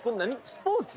スポーツ？